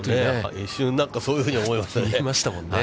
一瞬そういうふうに思いましたね。